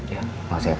ya makasih bel